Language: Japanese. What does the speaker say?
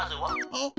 えっ？